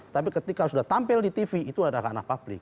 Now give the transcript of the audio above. tapi ketika sudah tampil di tv itu ada ranah publik